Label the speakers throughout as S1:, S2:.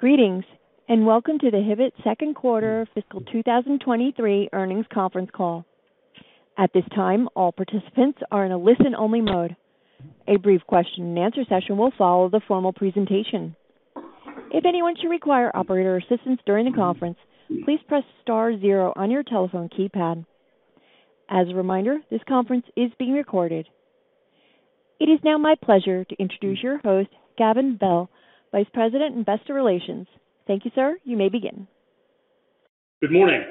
S1: Greetings, and welcome to the Hibbett second quarter fiscal 2023 earnings conference call. At this time, all participants are in a listen-only mode. A brief question and answer session will follow the formal presentation. If anyone should require operator assistance during the conference, please press star zero on your telephone keypad. As a reminder, this conference is being recorded. It is now my pleasure to introduce your host, Gavin Bell, Vice President, Investor Relations. Thank you, sir. You may begin.
S2: Good morning.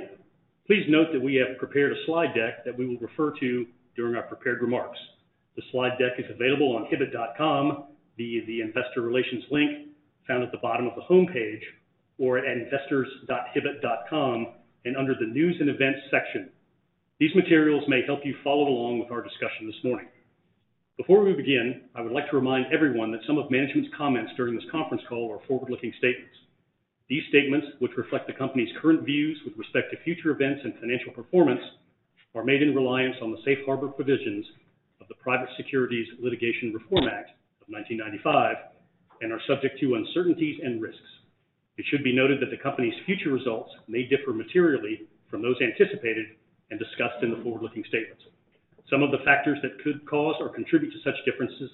S2: Please note that we have prepared a slide deck that we will refer to during our prepared remarks. The slide deck is available on hibbett.com via the Investor Relations link found at the bottom of the homepage or at investors.hibbett.com and under the News and Events section. These materials may help you follow along with our discussion this morning. Before we begin, I would like to remind everyone that some of management's comments during this conference call are forward-looking statements. These statements, which reflect the company's current views with respect to future events and financial performance, are made in reliance on the Safe Harbor provisions of the Private Securities Litigation Reform Act of 1995 and are subject to uncertainties and risks. It should be noted that the company's future results may differ materially from those anticipated and discussed in the forward-looking statements. Some of the factors that could cause or contribute to such differences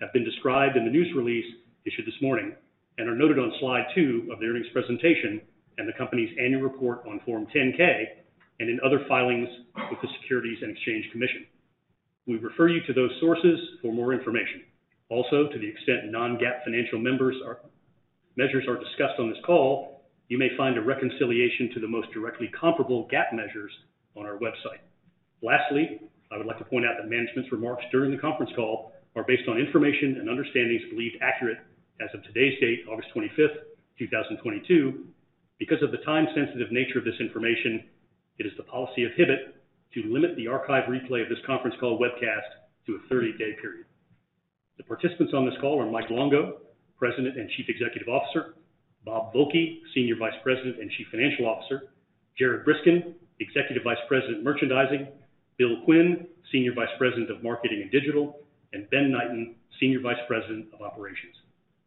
S2: have been described in the news release issued this morning and are noted on slide 2 of the earnings presentation and the company's annual report on Form 10-K and in other filings with the Securities and Exchange Commission. We refer you to those sources for more information. Also, to the extent non-GAAP financial measures are discussed on this call, you may find a reconciliation to the most directly comparable GAAP measures on our website. Lastly, I would like to point out that management's remarks during the conference call are based on information and understandings believed accurate as of today's date, August 25, 2022. Because of the time-sensitive nature of this information, it is the policy of Hibbett to limit the archive replay of this conference call webcast to a 30-day period. The participants on this call are Mike Longo, President and Chief Executive Officer, Bob Volke, Senior Vice President and Chief Financial Officer, Jared Briskin, Executive Vice President, Merchandising, Bill Quinn, Senior Vice President of Marketing and Digital, and Ben Knighten, Senior Vice President of Operations.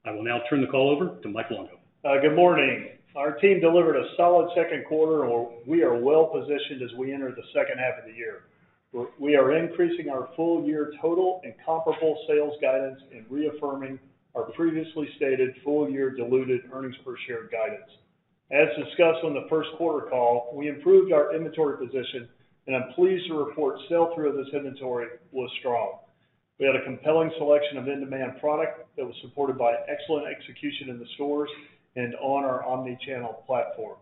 S2: I will now turn the call over to Mike Longo.
S3: Good morning. Our team delivered a solid second quarter, so we are well positioned as we enter the second half of the year. We are increasing our full year total and comparable sales guidance and reaffirming our previously stated full-year diluted earnings per share guidance. As discussed on the first quarter call, we improved our inventory position, and I'm pleased to report sell-through of this inventory was strong. We had a compelling selection of in-demand product that was supported by excellent execution in the stores and on our omni-channel platform.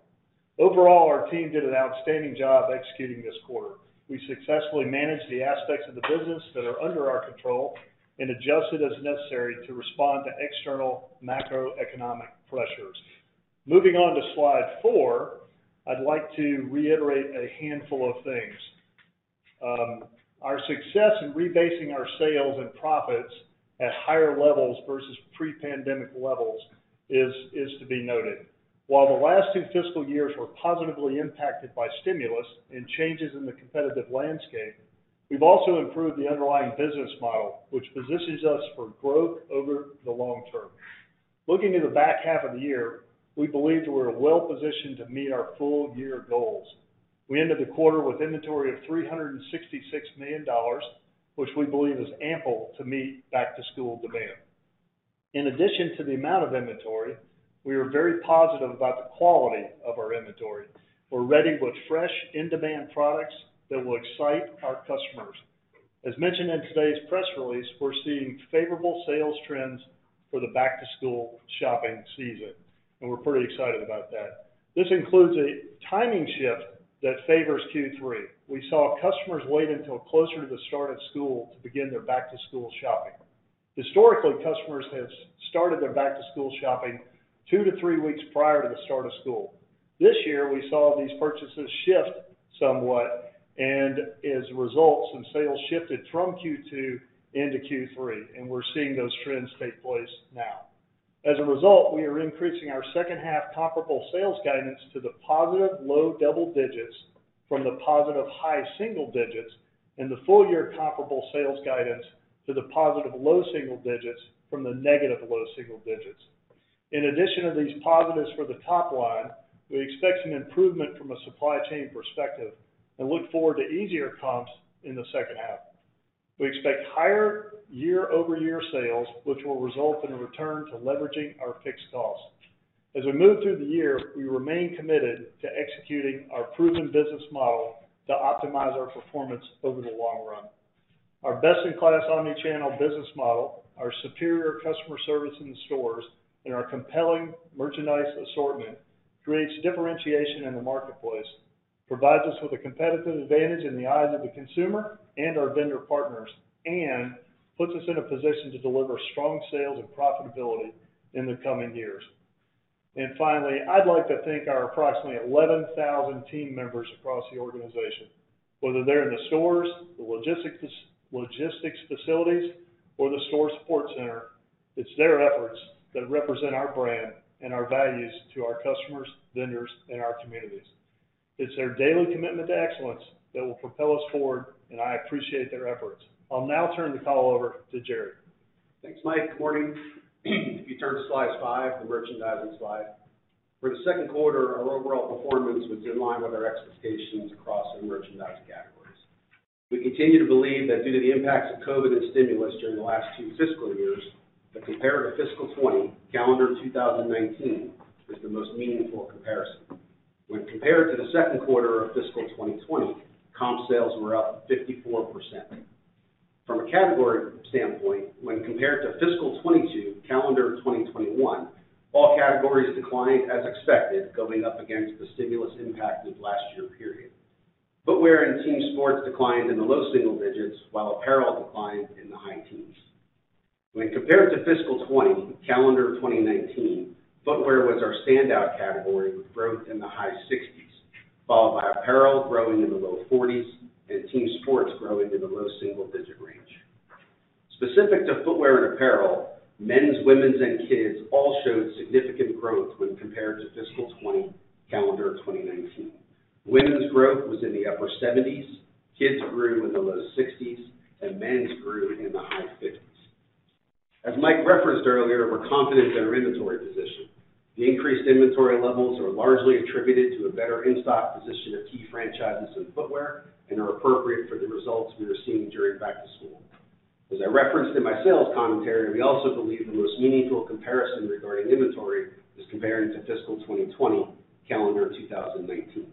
S3: Overall, our team did an outstanding job executing this quarter. We successfully managed the aspects of the business that are under our control and adjusted as necessary to respond to external macroeconomic pressures. Moving on to slide 4, I'd like to reiterate a handful of things. Our success in rebasing our sales and profits at higher levels versus pre-pandemic levels is to be noted. While the last 2 fiscal years were positively impacted by stimulus and changes in the competitive landscape, we've also improved the underlying business model, which positions us for growth over the long term. Looking to the back half of the year, we believe that we're well positioned to meet our full year goals. We ended the quarter with inventory of $366 million, which we believe is ample to meet back to school demand. In addition to the amount of inventory, we are very positive about the quality of our inventory. We're ready with fresh, in-demand products that will excite our customers. As mentioned in today's press release, we're seeing favorable sales trends for the back to school shopping season, and we're pretty excited about that. This includes a timing shift that favors Q3. We saw customers wait until closer to the start of school to begin their back to school shopping. Historically, customers have started their back to school shopping 2-3 weeks prior to the start of school. This year, we saw these purchases shift somewhat, and as a result, some sales shifted from Q2 into Q3, and we're seeing those trends take place now. As a result, we are increasing our second half comparable sales guidance to the positive low double digits from the positive high single digits, and the full year comparable sales guidance to the positive low single digits from the negative low single digits. In addition to these positives for the top line, we expect some improvement from a supply chain perspective and look forward to easier comps in the second half. We expect higher year-over-year sales, which will result in a return to leveraging our fixed costs. As we move through the year, we remain committed to executing our proven business model to optimize our performance over the long run. Our best-in-class omni-channel business model, our superior customer service in the stores, and our compelling merchandise assortment creates differentiation in the marketplace, provides us with a competitive advantage in the eyes of the consumer and our vendor partners, and puts us in a position to deliver strong sales and profitability in the coming years. Finally, I'd like to thank our approximately 11,000 team members across the organization, whether they're in the stores, the logistics facilities, or the store support center. It's their efforts that represent our brand and our values to our customers, vendors, and our communities. It's their daily commitment to excellence that will propel us forward, and I appreciate their efforts. I'll now turn the call over to Jared.
S4: Thanks, Mike. Good morning. If you turn to slide 5, the merchandising slide. For the second quarter, our overall performance was in line with our expectations across the merchandise categories. We continue to believe that due to the impacts of COVID and stimulus during the last 2 fiscal years, that compared to fiscal 2020, calendar 2019 is the most meaningful comparison. When compared to the second quarter of fiscal 2020, comp sales were up 54%. From a category standpoint, when compared to fiscal 2022, calendar 2021, all categories declined as expected, going up against the stimulus impact of last year period. Footwear and team sports declined in the low single digits, while apparel declined in the high teens. When compared to fiscal 2020, calendar 2019, footwear was our standout category with growth in the high 60s%, followed by apparel growing in the low 40s% and team sports growing in the low single digits%. Specific to footwear and apparel, men's, women's, and kids all showed significant growth when compared to fiscal 2020, calendar 2019. Women's growth was in the upper 70s%, kids grew in the low 60s%, and men's grew in the high 50s%. As Mike referenced earlier, we're confident in our inventory position. The increased inventory levels are largely attributed to a better in-stock position of key franchises in footwear and are appropriate for the results we are seeing during back to school. As I referenced in my sales commentary, we also believe the most meaningful comparison regarding inventory is comparing to fiscal 2020, calendar 2019.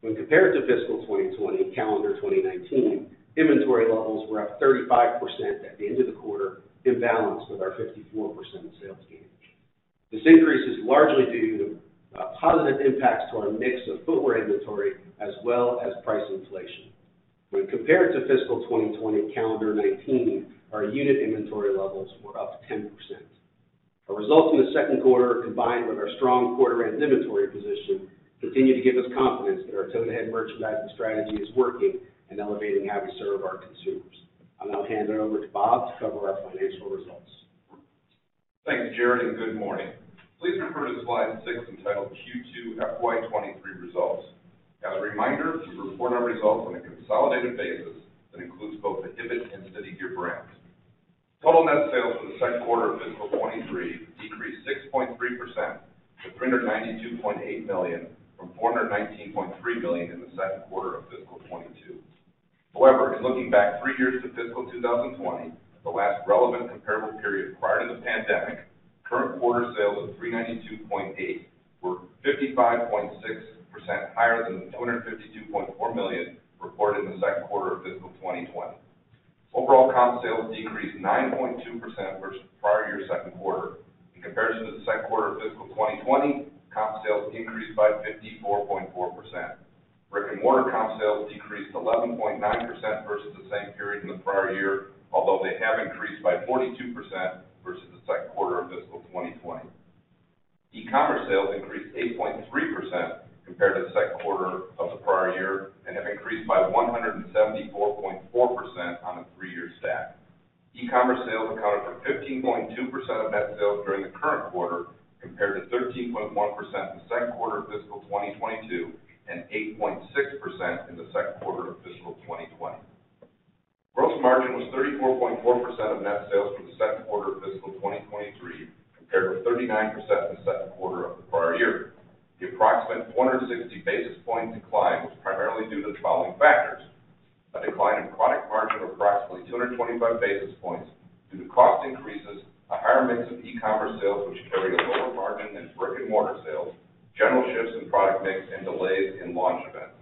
S4: When compared to fiscal 2020, calendar 2019, inventory levels were up 35% at the end of the quarter in balance with our 54% sales gain. This increase is largely due to positive impacts to our mix of footwear inventory as well as price inflation. When compared to fiscal 2020, calendar 2019, our unit inventory levels were up 10%. Our results in the second quarter, combined with our strong quarter and inventory position, continue to give us confidence that our toe-to-head merchandising strategy is working in elevating how we serve our consumers. I'll now hand it over to Bob to cover our financial results.
S5: Thanks, Jared, and good morning. Please refer to slide 6 entitled Q2 FY 2023 results. As a reminder, we report our results on a consolidated basis that includes both the Hibbett and City Gear brands. Total net sales for the second quarter of fiscal 2023 decreased 6.3% to $392.8 million from $419.3 million in the second quarter of fiscal 2022. However, in looking back 3 years to fiscal 2020, the last relevant comparable period prior to the pandemic, current quarter sales of $392.8 million were 55.6% higher than the $252.4 million reported in the second quarter of fiscal 2020. Overall comp sales decreased 9.2% versus prior year second quarter. In comparison to the second quarter of fiscal 2020, comp sales increased by 54.4%. Brick-and-mortar comp sales decreased 11.9% versus the same period in the prior year, although they have increased by 42% versus the second quarter of fiscal 2020. E-commerce sales increased 8.3% compared to the second quarter of the prior year and have increased by 174.4% on a 3 year stack. E-commerce sales accounted for 15.2% of net sales during the current quarter, compared to 13.1% in the second quarter of fiscal 2022 and 8.6% in the second quarter of fiscal 2020. Gross margin was 34.4% of net sales for the second quarter of fiscal 2023, compared with 39% in the second quarter of the prior year. The approximate 160 basis point decline was primarily due to the following factors, a decline in product margin of approximately 225 basis points due to cost increases, a higher mix of e-commerce sales which carry a lower margin than brick-and-mortar sales, general shifts in product mix and delays in launch events.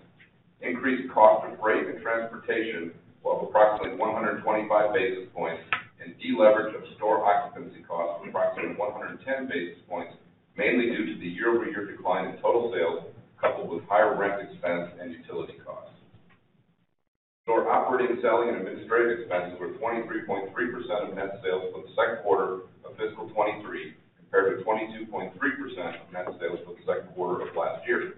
S5: Increased cost of freight and transportation of approximately 125 basis points, and deleverage of store occupancy costs of approximately 110 basis points, mainly due to the year-over-year decline in total sales coupled with higher rent expense and utility costs. Store operating, selling, and administrative expenses were 23.3% of net sales for the second quarter of fiscal 2023, compared to 22.3% of net sales for the second quarter of last year.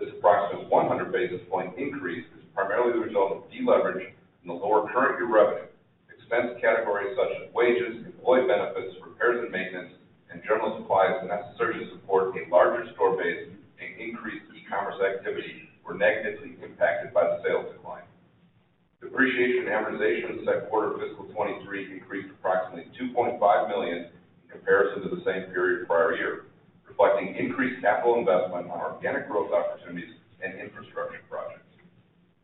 S5: This approximate 100 basis points increase is primarily the result of deleverage in the lower current year revenue. Expense categories such as wages, employee benefits, repairs and maintenance, and general supplies necessary to support a larger store base and increased e-commerce activity were negatively impacted by the sales decline. Depreciation and amortization in the second quarter of fiscal 2023 increased approximately $2.5 million in comparison to the same period prior year, reflecting increased capital investment on organic growth opportunities and infrastructure projects.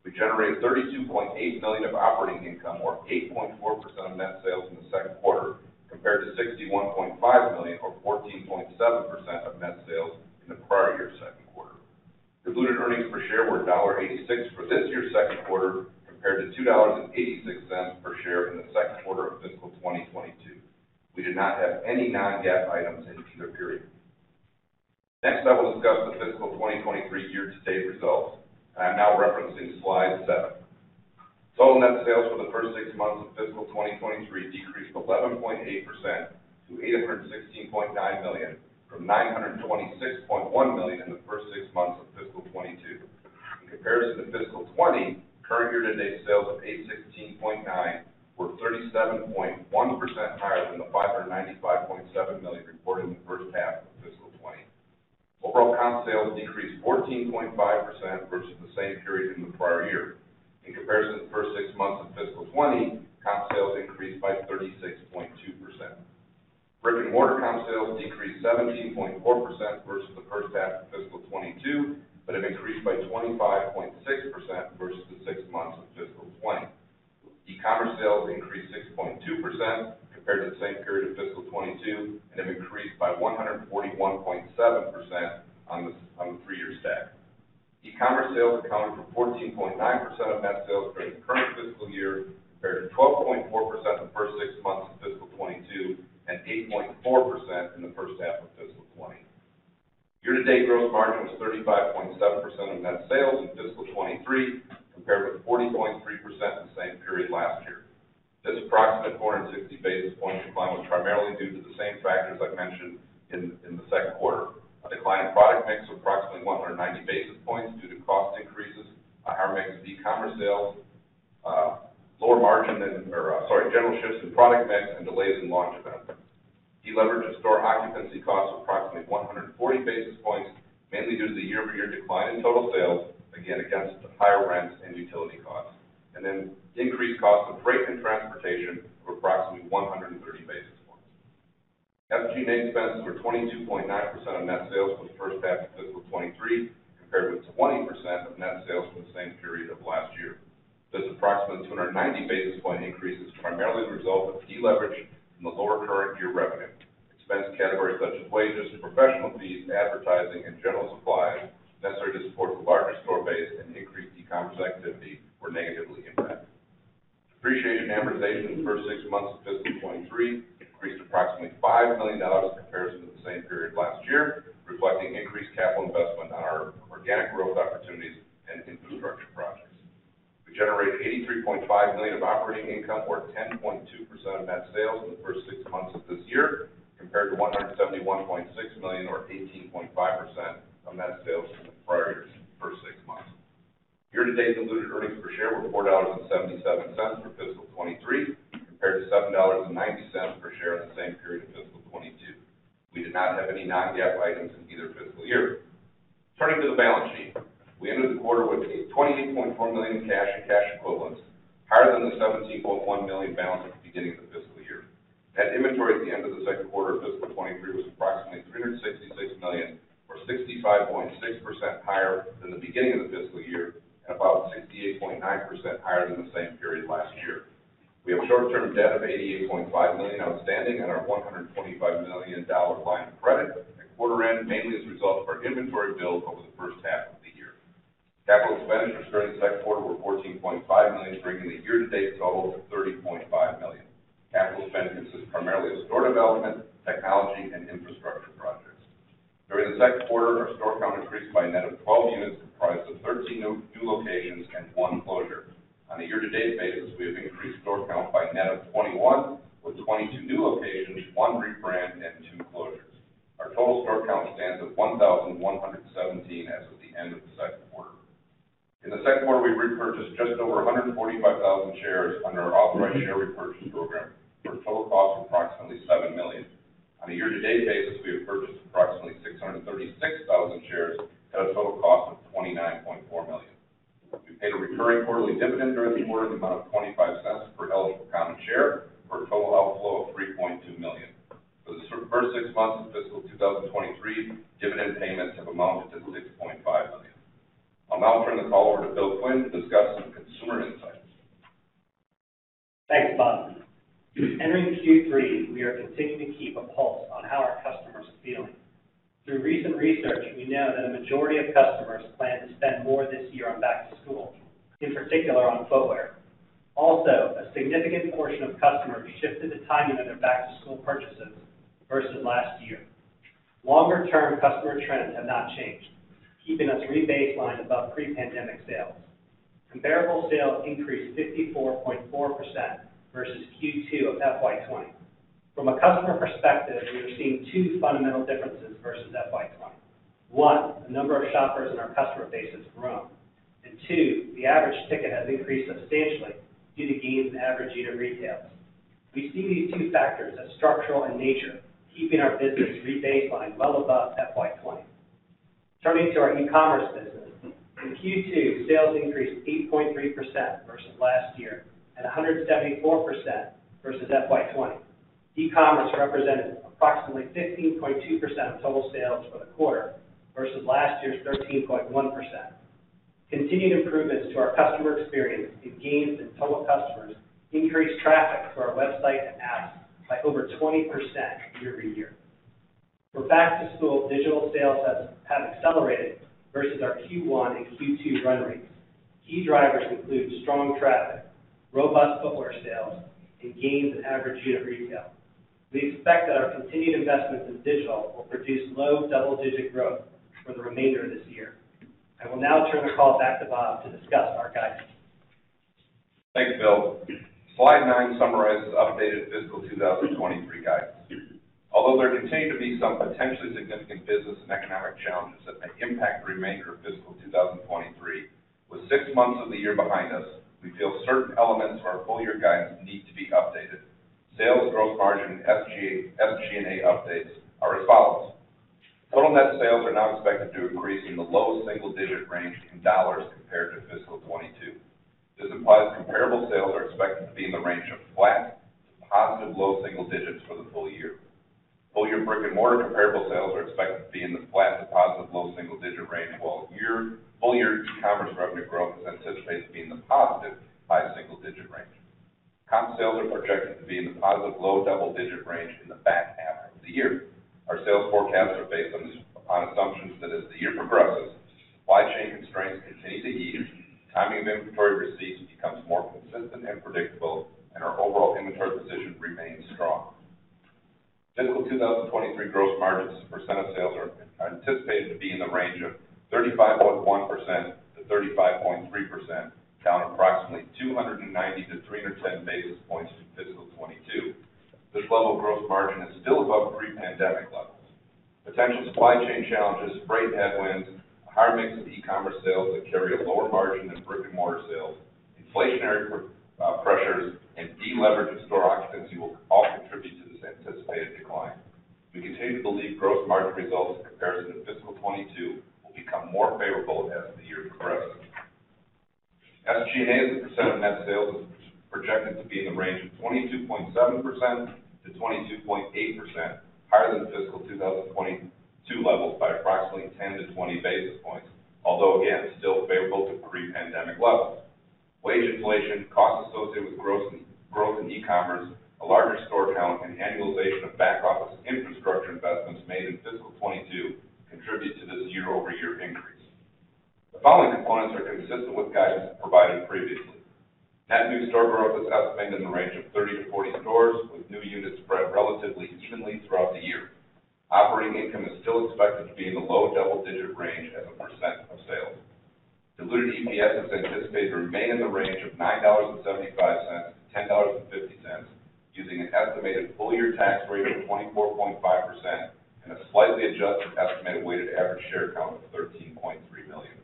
S5: We generated $32.8 million of operating income or 8.4% of net sales in the second quarter, compared to $61.5 million or 14.7% of net sales in the prior year's second quarter. Diluted earnings per share were $0.86 for this year's second quarter, compared to $2.86 per share in the second quarter of fiscal 2022. We did not have any non-GAAP items in either period. Next, I will discuss the fiscal 2023 year-to-date results. I am now referencing slide 7. Total net sales for the first 6 months of fiscal 2023 decreased 11.8% to $816.9 million from $926.1 million in the first 6 months of fiscal 2022. In comparison to fiscal 2020, current year-to-date sales of $816.9 million were 37.1% higher than the $595.7 million reported in the first half of fiscal 2020. Overall comp sales decreased 14.5% versus the same period in the prior year. In comparison to the first 6 months of fiscal 2020, comp sales increased by 36.2%. Brick-and-mortar comp sales decreased 17.4% versus the first half of fiscal 2022, but have increased by 25.6% versus the 6 months of fiscal 2020. E-commerce sales increased 6.2% compared to the same period of fiscal 2022, and have increased by 141.7% on the 3 year stack. E-commerce sales accounted for 14.9% of net sales during the current fiscal year, compared to 12.4% in the first 6 months of fiscal 2022 and 8.4% in the first half of fiscal 2020. Year-to-date gross margin was 35.7% of net sales in fiscal 2023, compared with 40.3% in the same period last year. This approximate 460 basis point decline was primarily due to the same factors I mentioned in the second quarter. A decline in product mix of approximately 190 basis points due to cost increases, a higher mix of e-commerce sales, general shifts in product mix and delays in launch events. Deleveraged of store occupancy costs of approximately 140 basis points, mainly due to the year-over-year decline in total sales, again, against the higher rents and utility costs. Increased costs of freight and transportation of approximately 130 basis points. SG&A expenses were 22.9% of net sales for the first half of fiscal 2023, compared with 20% of net sales for the same period of last year. This approximate 290 basis point increase is primarily the result of deleverage from the lower current year revenue. Expense categories such as wages and professional fees and advertising and general supplies necessary to support the larger store base and increased e-commerce activity were negatively impacted. Depreciation and amortization in the first 6 months of fiscal 2023 increased approximately $5 million in comparison to the same period last year, reflecting increased capital investment on our organic growth opportunities and infrastructure projects. We generated $83.5 million of operating income, or 10.2% of net sales in the first 6 months of this year, compared to $171.6 million or 18.5% of net sales in the prior year's first 6 months. Year-to-date diluted earnings per share were $4.77 for fiscal 2023, compared to $7.90 per share in the same period of fiscal 2022. We did not have any non-GAAP items in either fiscal year. Turning to the balance sheet. We ended the quarter with $28.4 million in cash and cash equivalents, higher than the $17.1 million balance at the beginning of the fiscal year. Net inventory at the end of the second quarter of fiscal 2023 was approximately $366 million, or 65.6% higher than the beginning of the fiscal year and about 68.9% higher than the same period last year. We have short-term debt of $88.5 million outstanding on our $125 million line of credit at quarter end, mainly as a result of our inventory build over the first half of the year. Capital expenditures during the second quarter were $14.5 million, bringing the year-to-date total to $30.5 million. Capital spend consists primarily of store development, technology, and infrastructure projects. During the second quarter, our store count increased by a net of 12 units, comprised of 13 new locations and 1 closure. On a year-to-date basis, we have increased store count by a net of 21, with 22 new locations, 1 rebrand, and 2 closures. Our total store count stands at 1,117 as of the end of the second quarter. In the second quarter, we repurchased just over 145,000 shares under our authorized share repurchase program for a total cost of approximately $7 million. On a year-to-date basis, we have purchased approximately 636,000 shares at a total cost of $29.4 million. We paid a recurring quarterly dividend during the quarter in the amount of $0.25 per eligible common share for a total outflow of $3.2 million. For the first 6 months of fiscal 2023, dividend payments have amounted to $6.5 million. I'll now turn the call over to Bill Quinn to discuss some consumer insights.
S6: Thanks, Bob. Entering Q3, we are continuing to keep a pulse on how our customers are feeling. Through recent research, we know that a majority of customers plan to spend more this year on back-to-school, in particular on footwear. Also, a significant portion of customers shifted the timing of their back-to-school purchases versus last year. Longer-term customer trends have not changed, keeping us re-baselined above pre-pandemic sales. Comparable sales increased 54.4% versus Q2 of FY20. From a customer perspective, we are seeing 2 fundamental differences versus FY20. 1, the number of shoppers in our customer base has grown. And 2, the average ticket has increased substantially due to gains in average unit retail. We see these 2 factors as structural in nature, keeping our business re-baselined well above FY20. Turning to our e-commerce business. In Q2, sales increased 8.3% versus last year and 174% versus FY20. E-commerce represented approximately 15.2% of total sales for the quarter versus last year's 13.1%. Continued improvements to our customer experience and gains in total customers increased traffic to our website and apps by over 20% year-over-year. For back to school, digital sales have accelerated versus our Q1 and Q2 run rates. Key drivers include strong traffic, robust footwear sales, and gains in average unit retail. We expect that our continued investments in digital will produce low double-digit growth for the remainder of this year. I will now turn the call back to Bob to discuss our guidance.
S5: Thanks, Bill. Slide 9 summarizes updated fiscal 2023 guidance. Although there continue to be some potentially significant business and economic challenges that may impact the remainder of fiscal 2023, with 6 months of the year behind us, we feel certain elements of our full year guidance need to be updated. Sales, gross margin, SG&A updates are as follows. Total net sales are now expected to increase in the low single digit range in dollars compared to fiscal 2022. This implies comparable sales are expected to be in the range of flat to positive low single digits for the full year. Full year brick-and-mortar comparable sales are expected to be in the flat to positive low single digit range, while full-year e-commerce revenue growth is anticipated to be in the positive high single digit range. Comp sales are projected to be in the positive low double-digit range in the back half of the year. Our sales forecasts are based on this on assumptions that as the year progresses, supply chain constraints continue to ease, timing of inventory receipts becomes more consistent and predictable, and our overall inventory position remains strong. Fiscal 2023 gross margins percent of sales are anticipated to be in the range of 35.1%-35.3%, down approximately 290-310 basis points from fiscal 2022. This level of gross margin is still above pre-pandemic levels. Potential supply chain challenges, freight headwinds, a higher mix of e-commerce sales that carry a lower margin than brick-and-mortar sales, inflationary pressures, and de-leveraged store occupancy will all contribute to this anticipated decline. We continue to believe gross margin results in comparison to fiscal 2022 will become more favorable as the year progresses. SG&A as a % of net sales is projected to be in the range of 22.7% to 22.8%, higher than fiscal 2022 levels by approximately 10-20 basis points, although again, still favorable to pre-pandemic levels. Wage inflation, costs associated with growth in e-commerce, a larger store count, and annualization of back office infrastructure investments made in fiscal 2022 contribute to this year-over-year increase. The following components are consistent with guidance provided previously. Net new store growth is estimated in the range of 30-40 stores, with new units spread relatively evenly throughout the year. Operating income is still expected to be in the low double-digit range as a % of sales. Diluted EPS is anticipated to remain in the range of $9.75-$10.50, using an estimated full year tax rate of 24.5% and a slightly adjusted estimated weighted average share count of 13.3 million.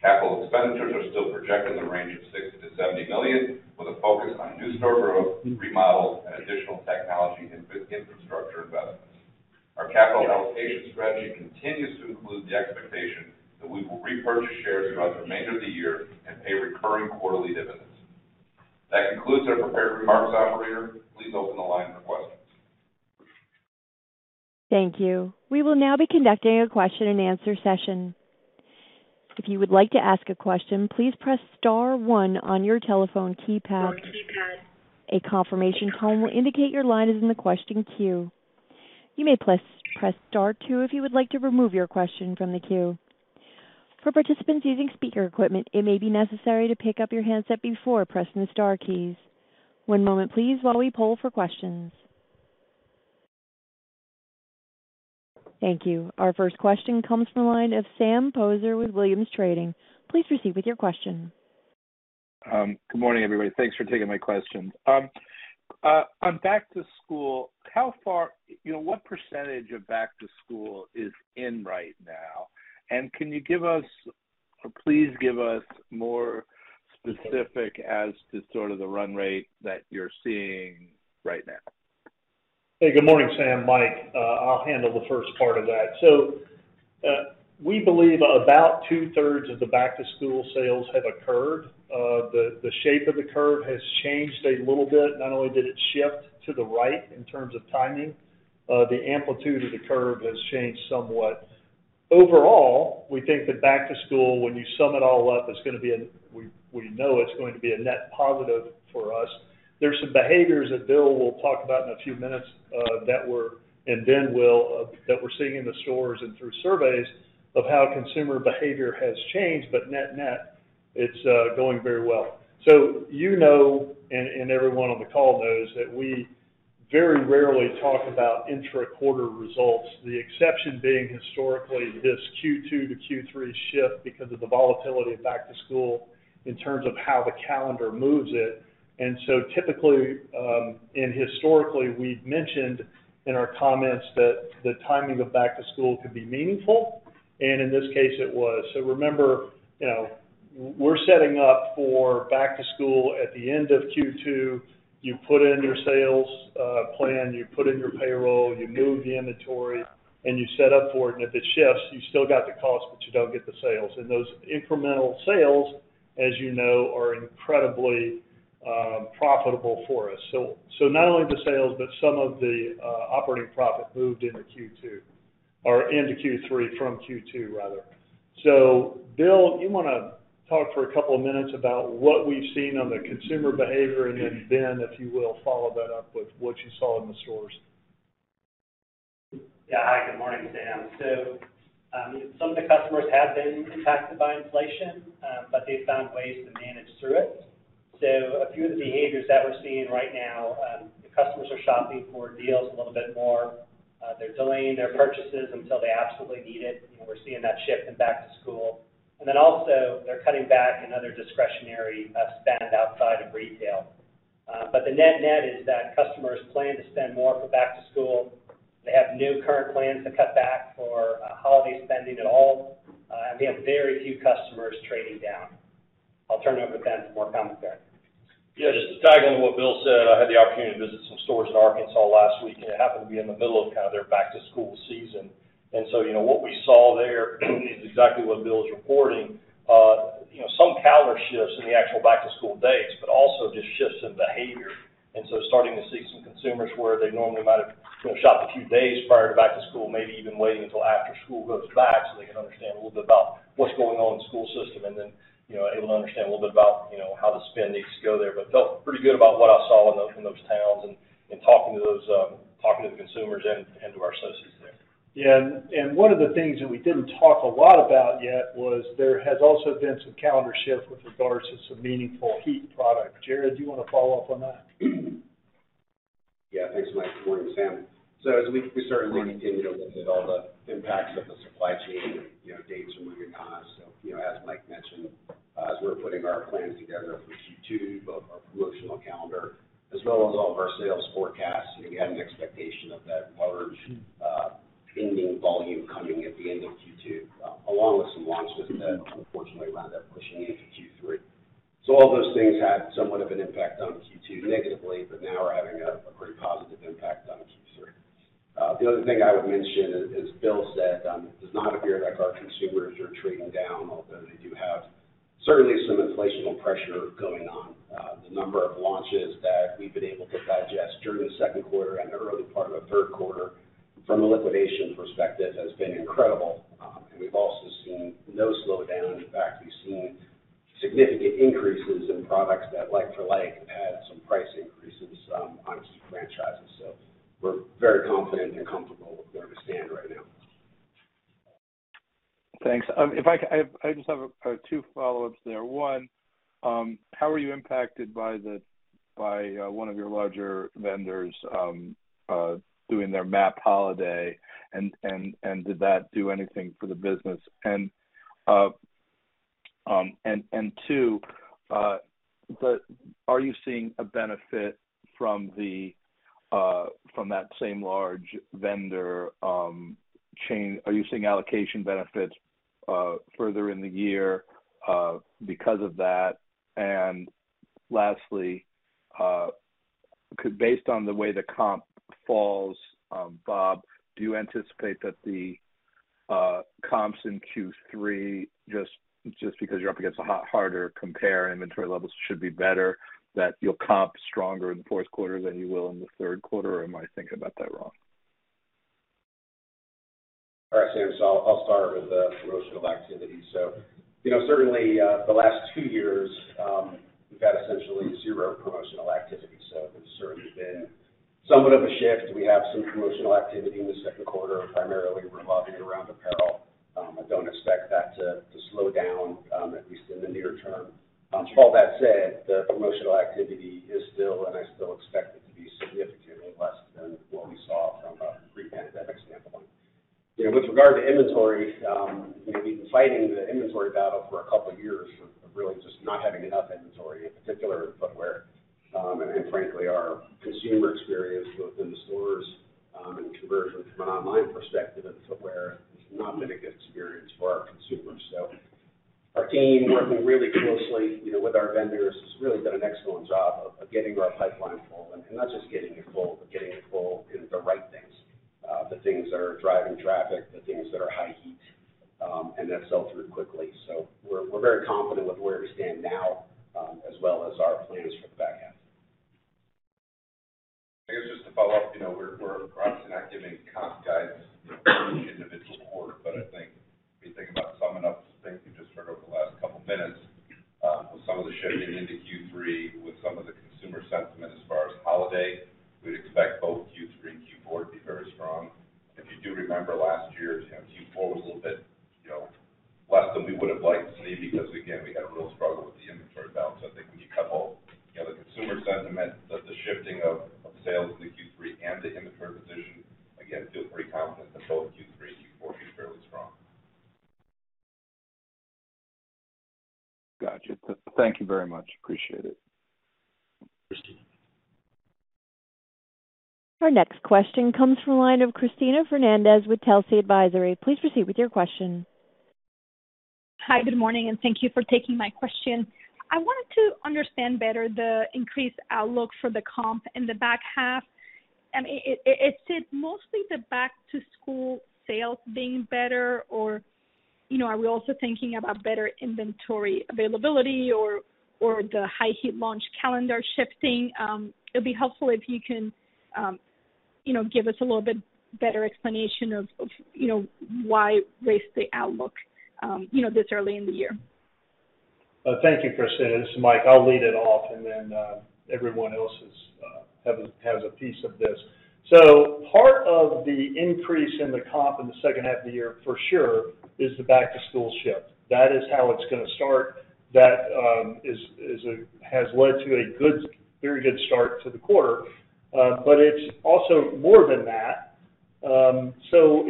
S5: Capital expenditures are still projected in the range of $60 million-$70 million, with a focus on new store growth, remodels and additional technology and infrastructure investments. Our capital allocation strategy continues to include the expectation that we will repurchase shares throughout the remainder of the year and pay recurring quarterly dividends. That concludes our prepared remarks. Operator, please open the line for questions.
S1: Thank you. We will now be conducting a question-and-answer session. If you would like to ask a question, please press star one on your telephone keypad. A confirmation tone will indicate your line is in the question queue. You may press star two if you would like to remove your question from the queue. For participants using speaker equipment, it may be necessary to pick up your handset before pressing the star keys. One moment please while we poll for questions. Thank you. Our first question comes from the line of Sam Poser with Williams Trading. Please proceed with your question.
S7: Good morning, everybody. Thanks for taking my questions. On back-to-school, you know, what percentage of back-to-school is in right now? Please give us more specific as to sort of the run rate that you're seeing right now.
S5: Hey, good morning, Sam. Mike, I'll handle the first part of that. We believe about 2/3 of the back-to-school sales have occurred. The shape of the curve has changed a little bit. Not only did it shift to the right in terms of timing, the amplitude of the curve has changed somewhat. Overall, we think that back to school, when you sum it all up, we know it's going to be a net positive for us. There's some behaviors that Bill will talk about in a few minutes, and Ben will, that we're seeing in the stores and through surveys of how consumer behavior has changed. But net-net, it's going very well. You know, and everyone on the call knows that we very rarely talk about intra-quarter results. The exception being historically this Q2 to Q3 shift because of the volatility of back to school in terms of how the calendar moves it. Typically, and historically, we've mentioned in our comments that the timing of back to school could be meaningful, and in this case, it was. Remember, you know, we're setting up for back to school at the end of Q2. You put in your sales plan, you put in your payroll, you move the inventory, and you set up for it. If it shifts, you still got the cost, but you don't get the sales. Those incremental sales, as you know, are incredibly profitable for us. Not only the sales, but some of the operating profit moved into Q2 or into Q3 from Q2, rather. Bill, you wanna talk for a couple of minutes about what we've seen on the consumer behavior, and then Ben, if you will, follow that up with what you saw in the stores.
S6: Yeah. Hi, good morning, Sam. Some of the customers have been impacted by inflation, but they found ways to manage through it. A few of the behaviors that we're seeing right now, the customers are shopping for deals a little bit more. They're delaying their purchases until they absolutely need it. You know, we're seeing that shift in back to school. They're cutting back on other discretionary spend outside of retail. The net-net is that customers plan to spend more for back to school. They have no current plans to cut back for holiday spending at all. We have very few customers trading down. I'll turn it over to Ben for more comment there.
S8: Yeah, just to tag on to what Bill said, I had the opportunity to visit some stores in Arkansas last week, and it happened to be in the middle of kinda their back to school season. You know, what we saw there is exactly what Bill is reporting. You know, some calendar shifts in the actual back to school dates, but also just shifts in behavior. Starting to see some consumers where they normally might have, you know, shopped a few days prior to back to school, maybe even waiting until after school goes back so they can understand a little bit about what's going on in the school system and then, you know, able to understand a little bit about, you know, how the spend needs to go there.
S4: Felt pretty good about what I saw in those towns and talking to the consumers and to our associates there.
S6: Yeah. One of the things that we didn't talk a lot about yet was there has also been some calendar shift with regards to some meaningful heat product. Jared, do you wanna follow up on that?
S4: Yeah. Thanks, Mike. Good morning, Sam. As we certainly continue to look at all the impacts of the supply chain and, you know, dates are moving on us. You know, as Mike mentioned, as we're putting our plans together for Q2, both our promotional calendar as well as all of our sales forecasts, you know, you had an expectation of that large, ending volume coming at the end of Q2, along with some launches that unfortunately wound up pushing into Q3. All those things had somewhat of an impact on Q2 negatively, but now are having a pretty positive impact on Q3. The other thing I would mention, as Bill said, does not appear that our consumers are trading down, although they do have certainly some inflationary pressure going on. The number of launches that we've been able to digest during the second quarter and the early part of the third quarter from a liquidation perspective has been incredible. We've also seen no slowdown. In fact, we've seen significant increases in products that like for like had some price increases on some franchises. We're very confident and comfortable with where we stand right now.
S7: Thanks. I just have 2 follow-ups there. 1, how are you impacted by one of your larger vendors doing their MAP holiday? Did that do anything for the business? 2, are you seeing a benefit from that same large vendor chain? Are you seeing allocation benefits further in the year because of that? Lastly, based on the way the comp falls, Bob, do you anticipate that the comps in Q3 just because you're up against a harder compare inventory levels should be better, that you'll comp stronger in the fourth quarter than you will in the third quarter? Or am I thinking about that wrong?
S4: All right, Sam. I'll start with the promotional activity. You know, certainly, the last 2 years, we've had essentially 0 promotional activity. There's certainly been somewhat of a shift. We have some promotional activity in the second quarter, primarily revolving around apparel. I don't expect that to slow down, at least in the near term. All that said, the promotional activity is still, and I still expect it to be significantly less than what we saw from a pre-pandemic standpoint. You know, with regard to inventory, we've been fighting the inventory battle for a couple years for really just not having enough inventory, in particular in footwear. Frankly, our consumer experience within the stores, and conversion from an online perspective in footwear has not been a good experience for our consumers. Our team working really closely, you know, with our vendors has really done an excellent job of getting our pipeline full. Not just getting it full, but getting it full in the right things. The things that are driving traffic, the things that are high heat, and that sell through quickly. We're very confident with where we stand now, as well as our plans for
S9: you know, are we also thinking about better inventory availability or the high heat launch calendar shifting? It'd be helpful if you can, you know, give us a little bit better explanation of why raise the outlook, you know, this early in the year.
S3: Thank you, Cristina. This is Mike. I'll lead it off and then everyone else has a piece of this. Part of the increase in the comp in the second half of the year for sure is the back to school shift. That is how it's gonna start. That has led to a good, very good start to the quarter. But it's also more than that.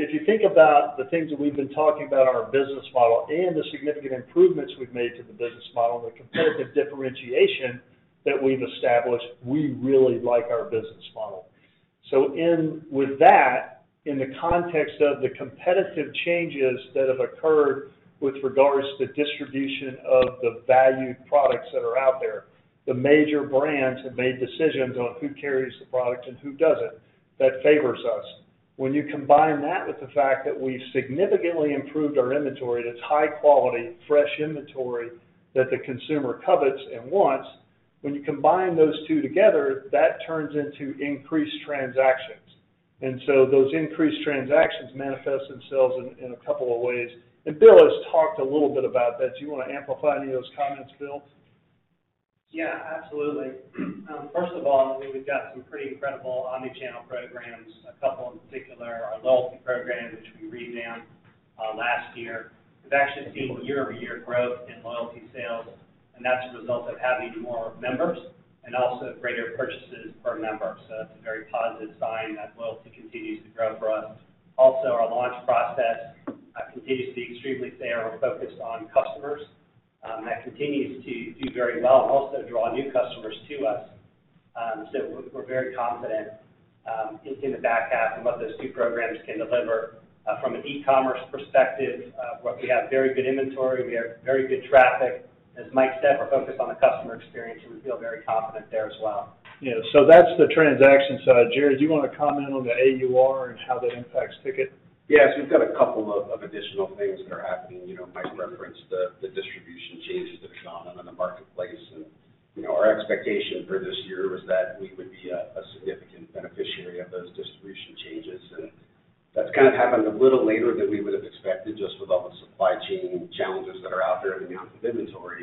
S3: If you think about the things that we've been talking about in our business model and the significant improvements we've made to the business model and the competitive differentiation that we've established, we really like our business model. With that, in the context of the competitive changes that have occurred with regards to distribution of the valued products that are out there, the major brands have made decisions on who carries the product and who doesn't. That favors us. When you combine that with the fact that we've significantly improved our inventory, that's high quality, fresh inventory that the consumer covets and wants. When you combine those 2 together, that turns into increased transactions. Those increased transactions manifest themselves in a couple of ways, and Bill has talked a little bit about that. Do you wanna amplify any of those comments, Bill?
S6: Yeah, absolutely. First of all, I think we've got some pretty incredible omni-channel programs. A couple in particular, our loyalty program, which we revamped last year. We've actually seen year-over-year growth in loyalty sales, and that's a result of having more members and also greater purchases per member. So that's a very positive sign that loyalty continues to grow for us. Also, our launch process continues to be extremely fair and focused on customers. That continues to do very well and also draw new customers to us. So we're very confident in the back half in what those 2 programs can deliver. From an e-commerce perspective, where we have very good inventory, we have very good traffic. As Mike said, we're focused on the customer experience, and we feel very confident there as well.
S3: Yeah. That's the transaction side. Jared, do you wanna comment on the AUR and how that impacts Ticket?
S4: Yes. We've got a couple of additional things that are happening. You know, Mike referenced the distribution changes that have shown on the marketplace. You know, our expectation for this year was that we would be a significant beneficiary of those distribution changes. That's kind of happened a little later than we would've expected, just with all the supply chain challenges that are out there and the amount of inventory.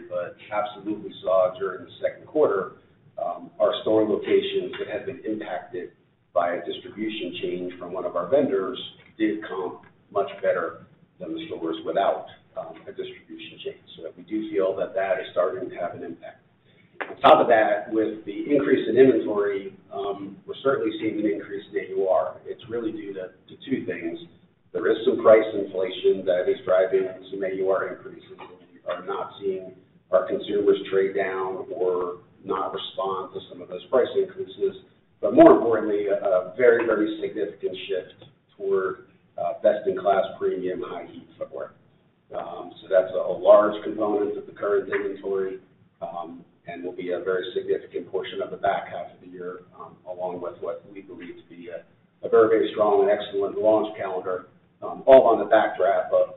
S4: Absolutely saw during the second quarter, our store locations that had been impacted by a distribution change from one of our vendors did comp much better than the stores without a distribution change. We do feel that that is starting to have an impact. On top of that, with the increase in inventory, we're certainly seeing an increase in AUR. It's really due to 2 things. There is some price inflation that is driving some AUR increases. We are not seeing our consumers trade down or not respond to some of those price increases. More importantly, a very, very significant shift toward best-in-class premium high heat footwear. So that's a large component of the current inventory, and will be a very significant portion of the back half of the year, along with what we believe to be a very, very strong and excellent launch calendar, all on the backdrop of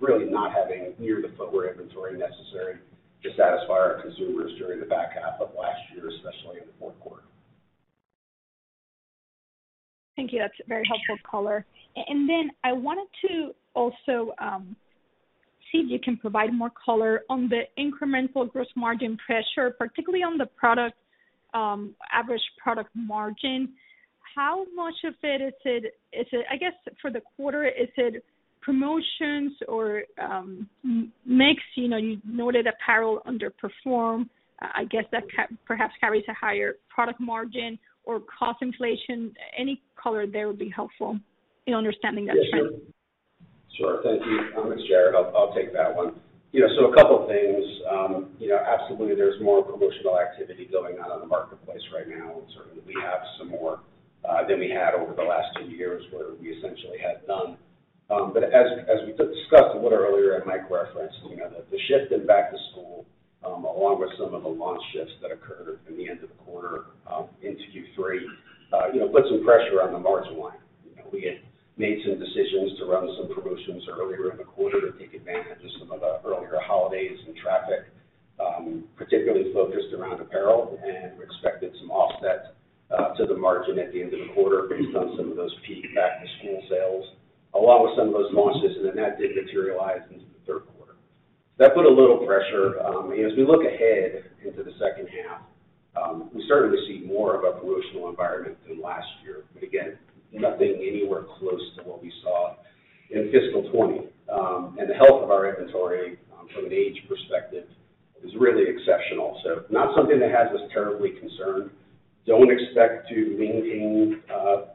S4: really not having near the footwear inventory necessary to satisfy our consumers during the back half of last year, especially in the fourth quarter.
S9: Thank you. That's very helpful color. Then I wanted to also see if you can provide more color on the incremental gross margin pressure, particularly on the product average product margin. How much of it is it? I guess, for the quarter, is it promotions or mix? You know, you noted apparel underperformed. I guess that perhaps carries a higher product margin or cost inflation. Any color there would be helpful in understanding that trend.
S4: Yeah, sure. Sure. Thank you. It's Jared. I'll take that one. You know, a couple things. You know, absolutely there's more promotional activity going on in the marketplace right now. Certainly, we have some more than we had over the last 2 years where we essentially had none. As we discussed a little earlier, and Mike referenced, you know, the shift in back to school, along with some of the launch shifts that occurred in the end of the quarter, into Q3, you know, put some pressure on the margin line. You know, we had made some decisions to run some promotions earlier in the quarter to take advantage of some of the earlier holidays and traffic, particularly focused around apparel. We expected some offset to the margin at the end of the quarter based on some of those peak back-to-school sales, along with some of those launches. Then that did materialize into the third quarter. That put a little pressure. You know, as we look ahead into the second half, we're starting to see more of a promotional environment than last year. Again, nothing anywhere close to what we saw in fiscal 2020. The health of our inventory from an age perspective is really exceptional. Not something that has us terribly concerned. Don't expect to maintain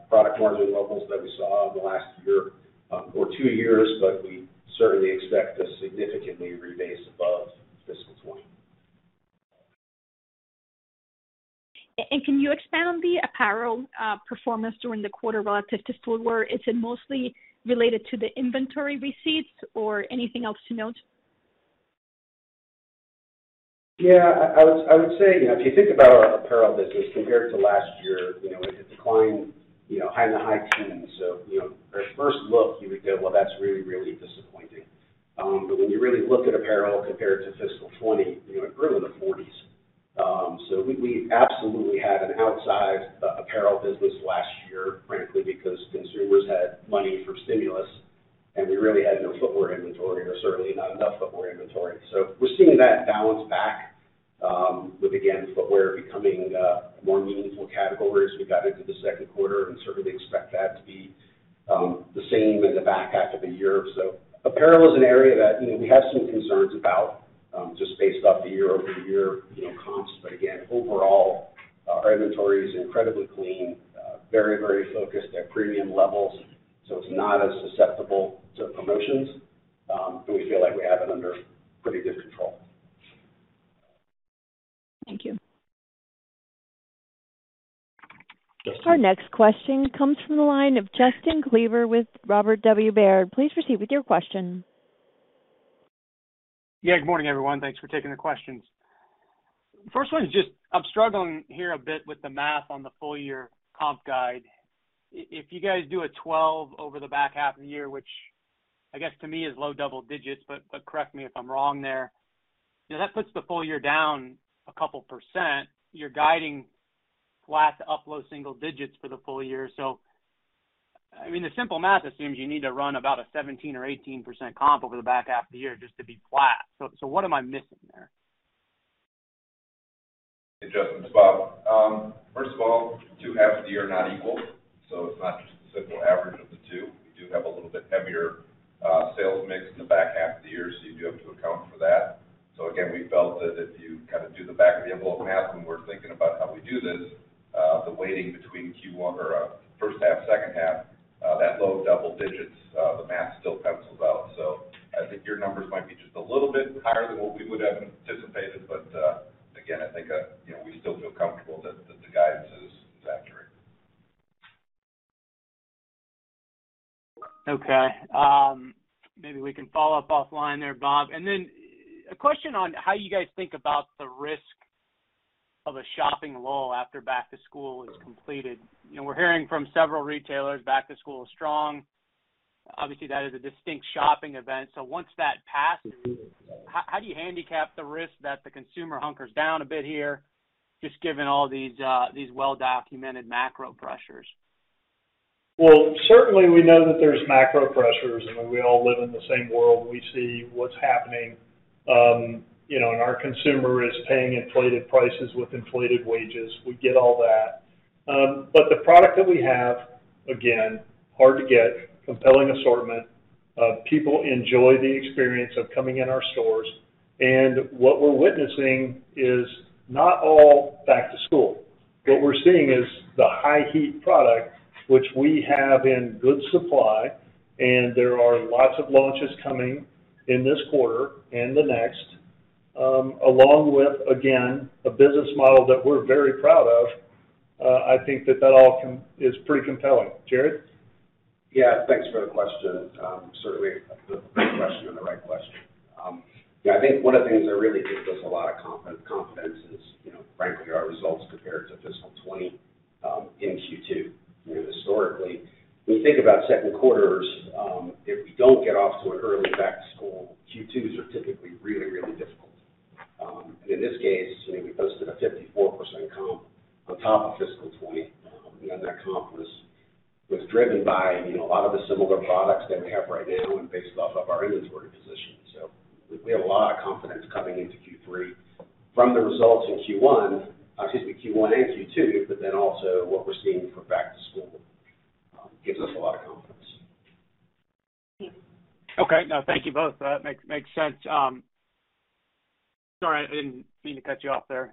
S4: product margin levels that we saw last year or 2 years, but we certainly expect to significantly rebase above fiscal 2020.
S9: Can you expand the apparel performance during the quarter relative to footwear? Is it mostly related to the inventory receipts or anything else to note?
S4: Yeah. I would say, you know, if you think about our apparel business compared to last year, you know, it declined, you know, in the high teens%. You know, at first look, you would go, "Well, that's really disappointing." But when you really look at apparel compared to fiscal 2020, you know, it grew in the 40s%. We absolutely had an outsized apparel business last year, frankly, because consumers had money from stimulus, and we really had no footwear inventory, or certainly not enough footwear inventory. We're seeing that balance back, with, again, footwear becoming a more meaningful category as we got into the second quarter and certainly expect that to be the same in the back half of the year. Apparel is an area that, you know, we have some concerns about, just based off the year-over-year, you know, comps. Again, overall, our inventory is incredibly clean, very, very focused at premium levels, so it's not as susceptible to promotions. We feel like we have it under pretty good control.
S6: Thank you.
S4: Justin.
S1: Our next question comes from the line of Justin Kleber with Robert W. Baird. Please proceed with your question.
S10: Yeah, good morning, everyone. Thanks for taking the questions. First one is just I'm struggling here a bit with the math on the full year comp guide. If you guys do a 12 over the back half of the year, which I guess to me is low double digits, but correct me if I'm wrong there, you know, that puts the full year down a couple%. You're guiding flat to up low single digits% for the full year. I mean, the simple math assumes you need to run about a 17 or 18% comp over the back half of the year just to be flat. What am I missing there?
S5: Hey, Justin, it's Bob. First of all, 2 halves of the year are not equal, so it's not just a simple average of the 2. We do have a little bit heavier sales mix in the back half of the year, so you do have to account for that. Again, we felt that if you kind of do the back of the envelope math when we're thinking about how we do this, the weighting between Q1 or first half, second half, that low double digits, the math still pencils out. I think your numbers might be just a little bit higher than what we would have anticipated, but again, I think you know, we still feel comfortable that the guidance is accurate.
S10: Okay. Maybe we can follow up offline there, Bob. A question on how you guys think about the risk of a shopping lull after back to school is completed. You know, we're hearing from several retailers back to school is strong. Obviously, that is a distinct shopping event. So once that passes, how do you handicap the risk that the consumer hunkers down a bit here, just given all these well-documented macro pressures?
S3: Well, certainly we know that there's macro pressures and we all live in the same world. We see what's happening, you know, and our consumer is paying inflated prices with inflated wages. We get all that. The product that we have, again, hard to get, compelling assortment. People enjoy the experience of coming in our stores. What we're witnessing is not all back to school. What we're seeing is the high heat product, which we have in good supply, and there are lots of launches coming in this quarter and the next, along with, again, a business model that we're very proud of. I think that that all is pretty compelling. Jared?
S4: Yeah, thanks for the question. Certainly a good question and the right question. Yeah, I think one of the things that really gives us a lot of confidence is, you know, frankly, our results compared to fiscal 2020, in Q2. You know, historically, when you think about second quarters, if we don't get off to an early back-to-school, Q2s are typically really difficult. In this case, you know, we posted a 54% comp on top of fiscal 2020. That comp was driven by, you know, a lot of the similar products that we have right now and based off of our inventory position. We have a lot of confidence coming into Q3 from the results in Q1, excuse me, Q1 and Q2, but then also what we're seeing for back to school gives us a lot of confidence.
S10: Okay. No, thank you both. That makes sense. Sorry, I didn't mean to cut you off there.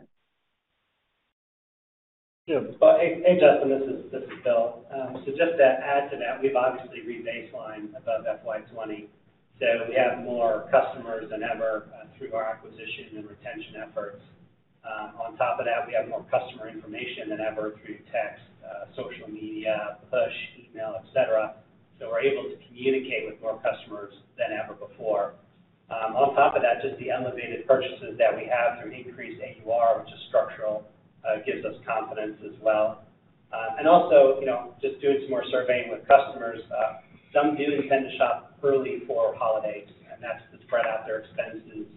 S6: Sure. Hey, Justin, this is Bill. Just to add to that, we've obviously rebased our line above FY 2020, so we have more customers than ever through our acquisition and retention efforts. On top of that, we have more customer information than ever through text, social media, push email, et cetera. We're able to communicate with more customers than ever before. On top of that, just the elevated purchases that we have through increased AUR, which is structural, gives us confidence as well. Also, you know, just doing some more surveying with customers, some do tend to shop early for holidays, and that's to spread out their expenses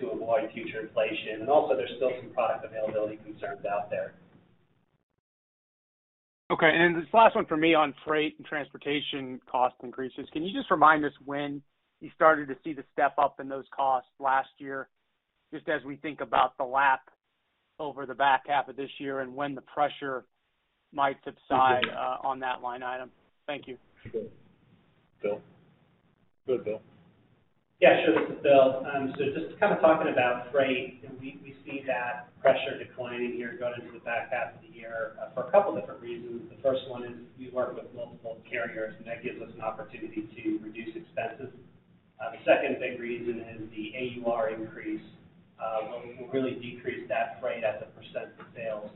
S6: to avoid future inflation. Also, there's still some product availability concerns out there.
S10: Okay. This last one for me on freight and transportation cost increases. Can you just remind us when you started to see the step up in those costs last year, just as we think about the lap over the back half of this year and when the pressure might subside on that line item? Thank you.
S4: Bill. Go ahead, Bill.
S6: Yeah, sure. This is Bill. Just kind of talking about freight, and we see that pressure declining here going into the back half of the year, for a couple different reasons. The first one is we work with multiple carriers, and that gives us an opportunity to reduce expenses. The second big reason is the AUR increase will really decrease that freight as a percent of sales.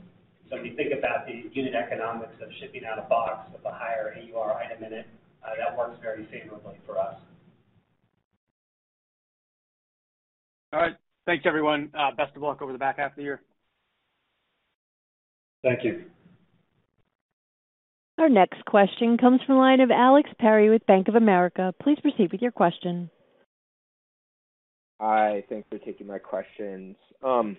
S6: When you think about the unit economics of shipping out a box with a higher AUR item in it, that works very favorably for us.
S10: All right. Thanks, everyone. Best of luck over the back half of the year.
S6: Thank you.
S1: Our next question comes from the line of Alex Perry with Bank of America. Please proceed with your question.
S11: Hi. Thanks for taking my questions. I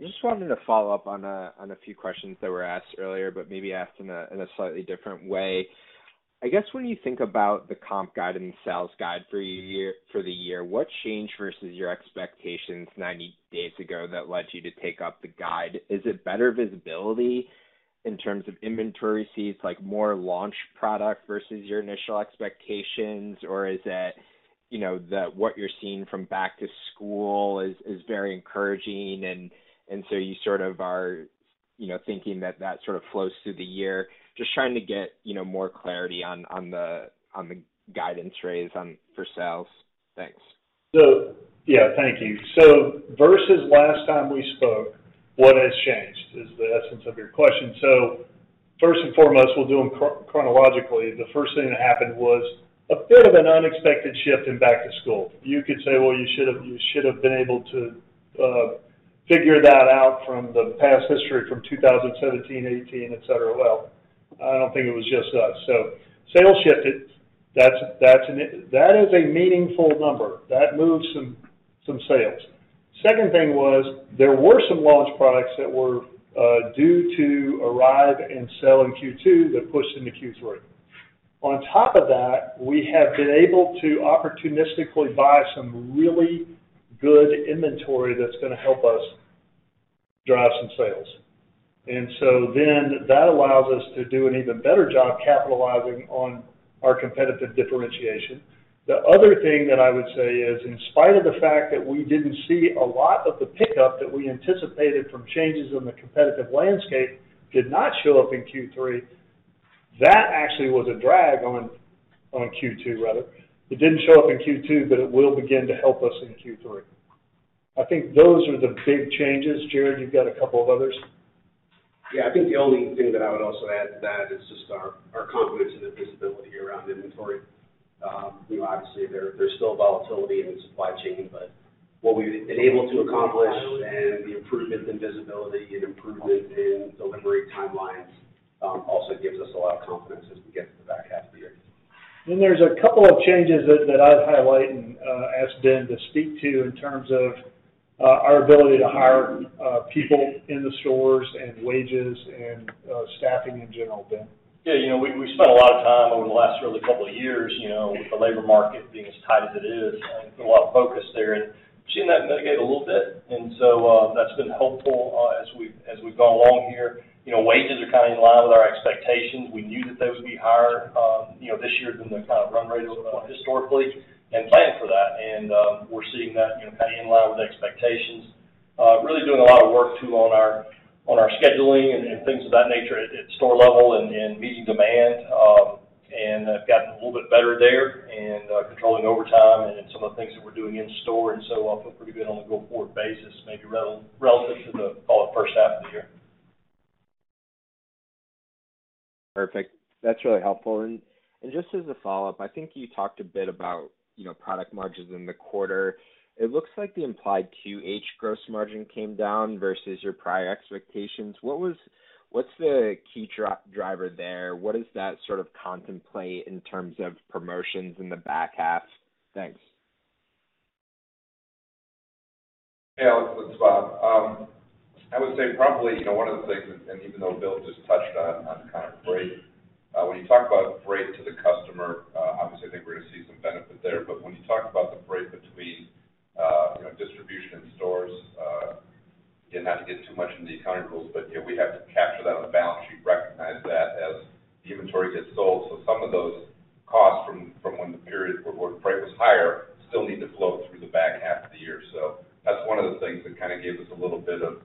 S11: just wanted to follow up on a few questions that were asked earlier, but maybe asked in a slightly different way. I guess when you think about the comp guide and the sales guide for the year, what changed versus your expectations 90 days ago that led you to take up the guide? Is it better visibility? In terms of inventory, see it's like more launch product versus your initial expectations? Or is it, you know, that what you're seeing from back to school is very encouraging and so you sort of are, you know, thinking that that sort of flows through the year. Just trying to get, you know, more clarity on the guidance raise for sales. Thanks.
S3: Yeah, thank you. Versus last time we spoke, what has changed is the essence of your question. First and foremost, we'll do them chronologically. The first thing that happened was a bit of an unexpected shift in back to school. You could say, "Well, you should have been able to figure that out from the past history from 2017, 2018, et cetera." Well, I don't think it was just us. Sales shifted. That is a meaningful number. That moved some sales. Second thing was there were some launch products that were due to arrive and sell in Q2 that pushed into Q3. On top of that, we have been able to opportunistically buy some really good inventory that's gonna help us drive some sales. That allows us to do an even better job capitalizing on our competitive differentiation. The other thing that I would say is, in spite of the fact that we didn't see a lot of the pickup that we anticipated from changes in the competitive landscape did not show up in Q3, that actually was a drag on Q2, rather. It didn't show up in Q2, but it will begin to help us in Q3. I think those are the big changes. Jared, you've got a couple of others.
S5: Yeah. I think the only thing that I would also add to that is just our confidence in the visibility around inventory. You know, obviously there's still volatility in the supply chain, but what we've been able to accomplish and the improvement in visibility and improvement in delivery timelines also gives us a lot of confidence as we get to the back half of the year.
S3: There's a couple of changes that I'd highlight and ask Ben to speak to in terms of our ability to hire people in the stores and wages and staffing in general, Ben.
S8: Yeah. You know, we spent a lot of time over the last really couple of years, you know, with the labor market being as tight as it is and put a lot of focus there and seeing that mitigate a little bit. That's been helpful, as we've gone along here. You know, wages are kind of in line with our expectations. We knew that those would be higher, you know, this year than the kind of run rates historically and planned for that. We're seeing that, you know, kind of in line with expectations. Really doing a lot of work too on our scheduling and things of that nature at store level and meeting demand.
S5: have gotten a little bit better there and controlling overtime and some of the things that we're doing in store and so on feel pretty good on a go forward basis, maybe relative to the, call it, first half of the year.
S11: Perfect. That's really helpful. Just as a follow-up, I think you talked a bit about, you know, product margins in the quarter. It looks like the implied Q2 gross margin came down versus your prior expectations. What's the key driver there? What does that sort of contemplate in terms of promotions in the back half? Thanks.
S5: Yeah. It's Bob. I would say probably, you know, one of the things, and even though Bill just touched on kind of freight. When you talk about freight to the customer, obviously I think we're gonna see some benefit there. When you talk about the freight between, you know, distribution and stores, again, not to get too much into the accounting rules, but, you know, we have to capture that on the balance sheet, recognize that as the inventory gets sold. Some of those costs from when the period where freight was higher still need to flow through the back half of the year. That's one of the things that kind of gave us a little bit of,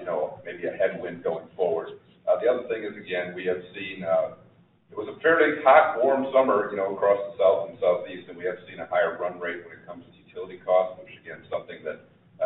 S5: you know, maybe a headwind going forward. The other thing is, again, we have seen, it was a fairly hot, warm summer, you know, across the South and Southeast, and we have seen a higher run rate when it comes to utility costs, which again, something that,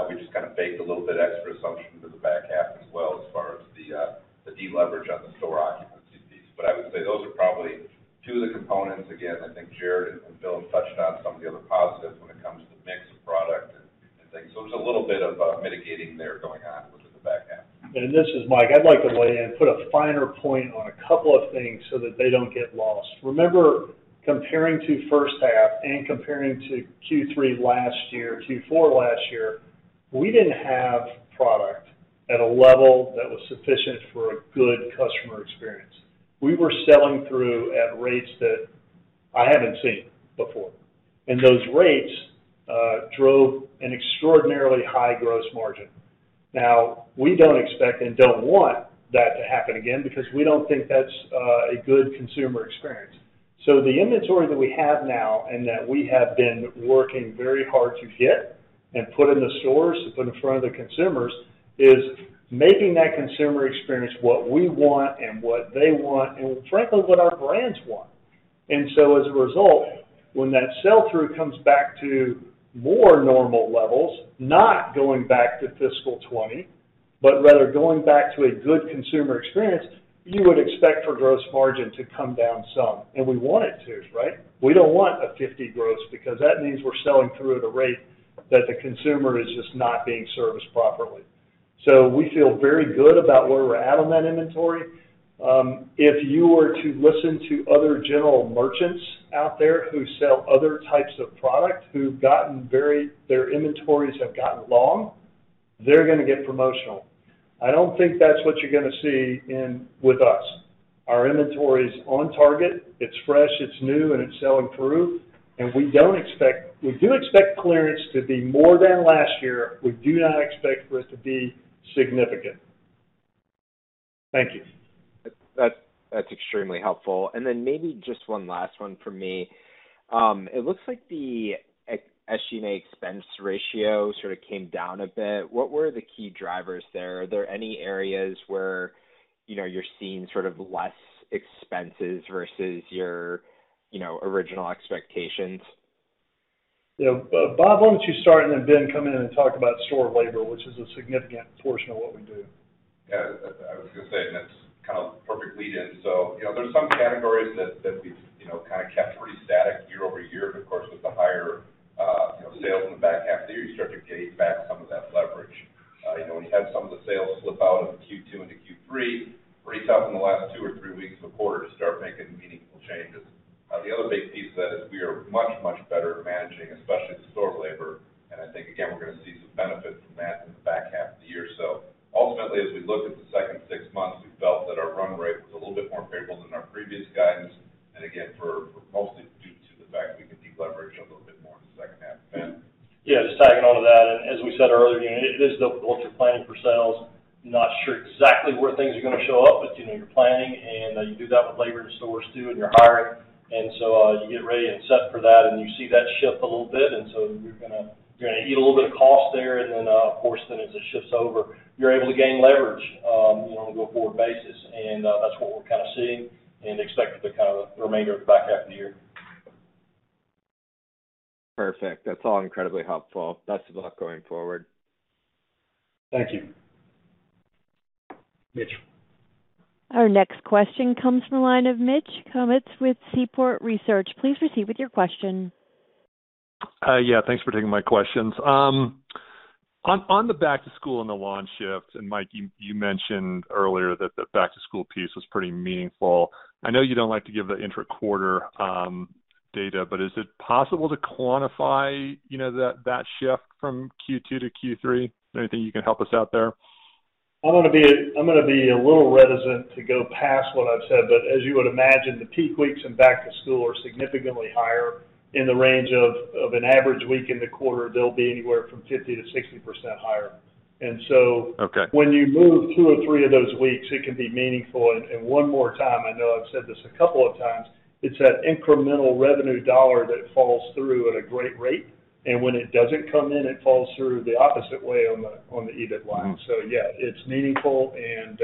S5: we just kind of baked a little bit extra assumption into the back half as well as far as the deleverage on the store occupancy piece. I would say those are probably 2 of the components. Again, I think Jared and Bill touched on some of the other positives when it comes to mix of product and things. There's a little bit of mitigating there going on within the back half.
S3: This is Mike. I'd like to weigh in, put a finer point on a couple of things so that they don't get lost. Remember, comparing to first half and comparing to Q3 last year, Q4 last year, we didn't have product at a level that was sufficient for a good customer experience. We were selling through at rates that I haven't seen before, and those rates drove an extraordinarily high gross margin. Now, we don't expect and don't want that to happen again because we don't think that's a good consumer experience. The inventory that we have now and that we have been working very hard to get and put in the stores, to put in front of the consumers, is making that consumer experience what we want and what they want and frankly, what our brands want. As a result, when that sell-through comes back to more normal levels, not going back to fiscal 2020, but rather going back to a good consumer experience, you would expect for gross margin to come down some. We want it to, right? We don't want a 50 gross because that means we're selling through at a rate that the consumer is just not being serviced properly. We feel very good about where we're at on that inventory. If you were to listen to other general merchants out there who sell other types of product whose inventories have gotten very long, they're gonna get promotional. I don't think that's what you're gonna see with us. Our inventory is on target. It's fresh, it's new, and it's selling through. We do expect clearance to be more than last year. We do not expect for it to be significant. Thank you.
S11: That's extremely helpful. Maybe just one last one from me. It looks like the SG&A expense ratio sort of came down a bit. What were the key drivers there? Are there any areas where, you know, you're seeing sort of less expenses versus your, you know, original expectations?
S3: You know, Bob, why don't you start and then Ben, come in and talk about store labor, which is a significant portion of what we do.
S5: Yeah, I was gonna say, that's kind of perfect lead-in. You know, there's some categories that we've kind of kept pretty static year-over-year. Of course, with the higher sales in the back half of the year, you start to gain back some of that leverage. You know, when you have some of the sales slip out of the Q2 into Q3, pretty tough in the last 2 or 3 weeks of the quarter to start making meaningful changes. The other big piece is we are much better at managing, especially the store labor. I think, again, we're gonna see some benefit from that in the back half of the year. Ultimately, as we look at the second 6 months, we felt that our run rate was a little bit more favorable than our previous guidance. Again, for mostly due to the fact that we can deleverage a little bit more in the second half. Ben.
S3: Yeah, just tagging on to that, and as we said earlier, you know, it is what you're planning for sales, not sure exactly where things are gonna show up, but, you know, you're planning and you do that with labor in stores, too, and you're hiring. You get ready and set for that and you see that shift a little bit. You're gonna eat a little bit of cost there and then, of course, then as it shifts over, you're able to gain leverage, you know, on a go-forward basis. That's what we're kind of seeing and expect for kind of the remainder of the back half of the year.
S11: Perfect. That's all incredibly helpful. Best of luck going forward.
S3: Thank you. Mitch.
S1: Our next question comes from the line of Mitch Kummetz with Seaport Research. Please proceed with your question.
S12: Yeah, thanks for taking my questions. On the back to school and the launch shift, and Mike, you mentioned earlier that the back to school piece was pretty meaningful. I know you don't like to give the intra-quarter data, but is it possible to quantify, you know, that shift from Q2 to Q3? Is there anything you can help us out there?
S3: I'm gonna be a little reticent to go past what I've said, but as you would imagine, the peak weeks in back to school are significantly higher in the range of an average week in the quarter, they'll be anywhere from 50%-60% higher.
S12: Okay.
S3: When you move 2 or 3 of those weeks, it can be meaningful. One more time, I know I've said this a couple of times, it's that incremental revenue dollar that falls through at a great rate. When it doesn't come in, it falls through the opposite way on the EBIT line.
S12: Mm-hmm.
S3: Yeah, it's meaningful and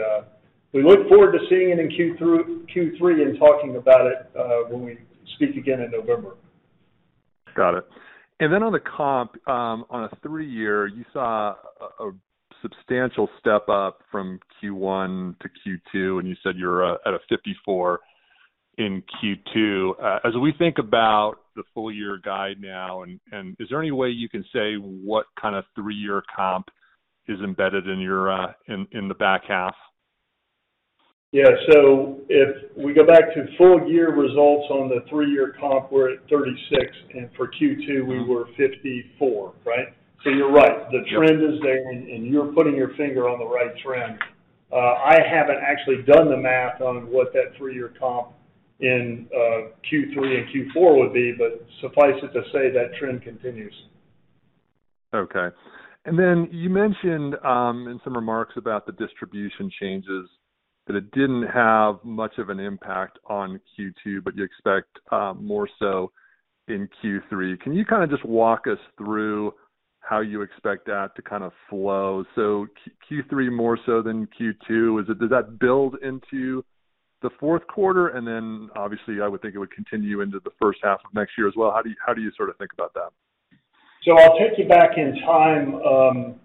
S3: we look forward to seeing it in Q3 and talking about it when we speak again in November.
S12: Got it. On the comp, on a 3 year, you saw a substantial step up from Q1 to Q2, and you said you're at a 54 in Q2. As we think about the full year guide now and is there any way you can say what kind of 3 year comp is embedded in your in the back half?
S3: Yeah. If we go back to full year results on the 3 year comp, we're at 36%, and for Q2, we were 54%, right? You're right.
S12: Yep.
S3: The trend is there and you're putting your finger on the right trend. I haven't actually done the math on what that 3 year comp in Q3 and Q4 would be, but suffice it to say that trend continues.
S12: Okay. You mentioned in some remarks about the distribution changes that it didn't have much of an impact on Q2, but you expect more so in Q3. Can you kind of just walk us through how you expect that to kind of flow? Q3 more so than Q2, does that build into the fourth quarter? Obviously I would think it would continue into the first half of next year as well. How do you sort of think about that?
S3: I'll take you back in time,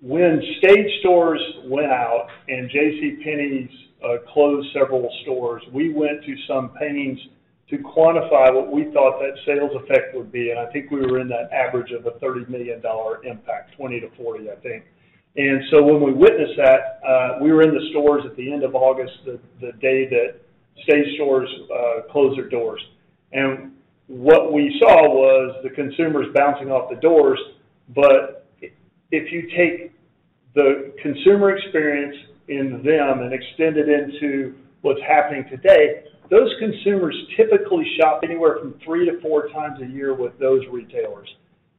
S3: when Stage Stores went out and JCPenney's closed several stores. We went to some pains to quantify what we thought that sales effect would be, and I think we were in that average of a $30 million impact, $20 million-$40 million, I think. When we witnessed that, we were in the stores at the end of August, the day that Stage Stores closed their doors. What we saw was the consumers bouncing off the doors. If you take the consumer experience in them and extend it into what's happening today, those consumers typically shop anywhere from 3-4 times a year with those retailers.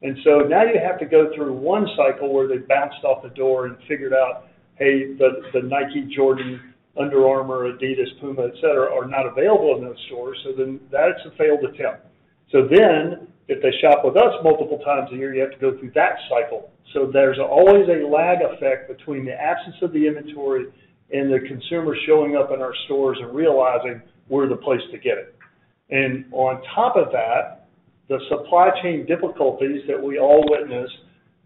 S3: Now you have to go through 1 cycle where they bounced off the door and figured out, hey, the Nike, Jordan, Under Armour, Adidas, Puma, et cetera, are not available in those stores, so then that's a failed attempt. If they shop with us multiple times a year, you have to go through that cycle. There's always a lag effect between the absence of the inventory and the consumer showing up in our stores and realizing we're the place to get it. On top of that, the supply chain difficulties that we all witnessed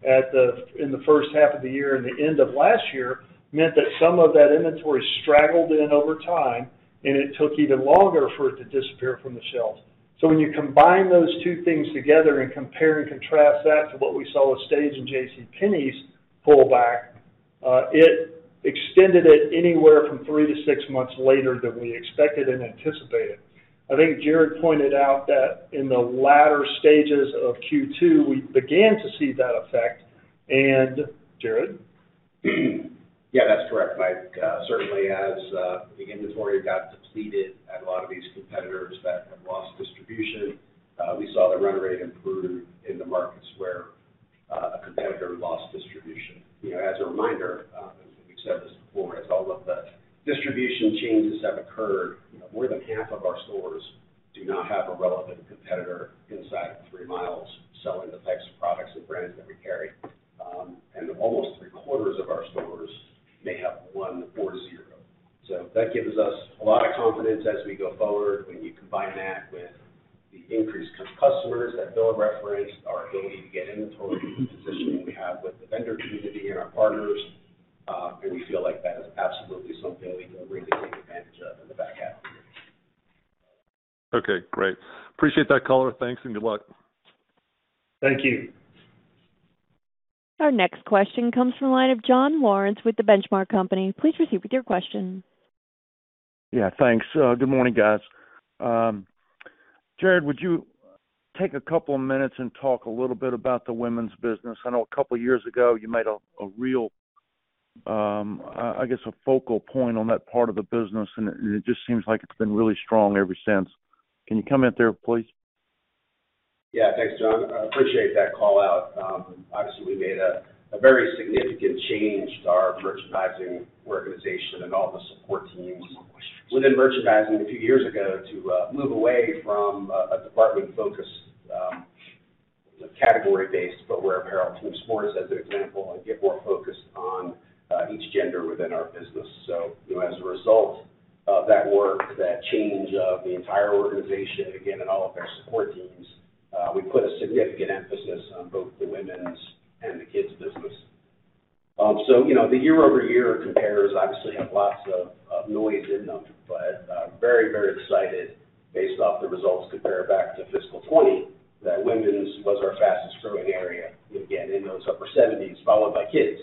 S3: in the first half of the year and the end of last year meant that some of that inventory straggled in over time, and it took even longer for it to disappear from the shelves. When you combine those 2 things together and compare and contrast that to what we saw with Stage Stores and JCPenney's pullback, it extended it anywhere from 3 to 6 months later than we expected and anticipated. I think Jared pointed out that in the latter stages of Q2, we began to see that effect. Jared?
S4: Yeah, that's correct, Mike. Certainly as the inventory got depleted at a lot of these competitors that have lost distribution, we saw the run rate improve in the markets where a competitor lost distribution. You know, as a reminder, as we've said this before, as all of the distribution changes have occurred, more than half of our stores do not have a relevant competitor inside of 3 miles selling the types of products and brands that we carry. And almost 3Q of our stores may have 1 or 0. That gives us a lot of confidence as we go forward. When you combine that with the increased customers that Bill referenced, our ability to get inventory, the positioning we have with the vendor community and our partners, and we feel like that is absolutely something we can really take advantage of in the back half of the year.
S12: Okay, great. Appreciate that color. Thanks, and good luck.
S3: Thank you.
S1: Our next question comes from the line of John Lawrence with The Benchmark Company. Please proceed with your question.
S13: Yeah, thanks. Good morning, guys. Jared, would you take a couple of minutes and talk a little bit about the women's business? I know a couple of years ago, you made a real, I guess a focal point on that part of the business, and it just seems like it's been really strong ever since. Can you comment there, please?
S4: Yeah. Thanks, John. I appreciate that call-out. Obviously, we made a very significant change to our merchandising organization and all the support teams within merchandising a few years ago to move away from a department focus, category-based, footwear, apparel, team sports, as an example, and get more focused on each gender within our business. You know, as a result of that work, that change of the entire organization, again, and all of our support teams, we put a significant emphasis on both the women's and the kids' business. You know, the year-over-year compares obviously have lots of noise in them, but very, very excited based off the results compared back to fiscal 2020, that women's was our fastest growing area, again, in those upper 70s%, followed by kids